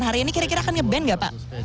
hari ini kira kira akan nge ban gak pak